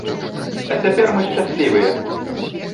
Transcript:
А цяпер мы шчаслівыя.